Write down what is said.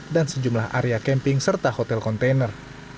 sejumlah area camping serta hotel kontainer